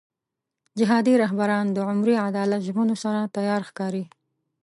جهادي رهبران د عمري عدالت ژمنو سره تیار ښکاري.